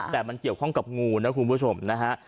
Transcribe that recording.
แต่มันเกี่ยวข้องกับงูนะคุณผู้ชมนะฮะ